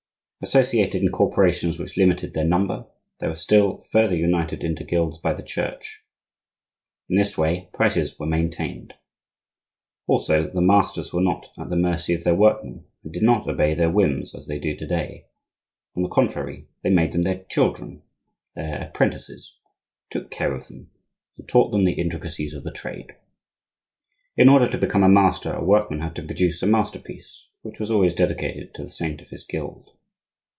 Associated in corporations which limited their number, they were still further united into guilds by the Church. In this way prices were maintained. Also, the masters were not at the mercy of their workmen, and did not obey their whims as they do to day; on the contrary, they made them their children, their apprentices, took care of them, and taught them the intricacies of the trade. In order to become a master, a workman had to produce a masterpiece, which was always dedicated to the saint of his guild.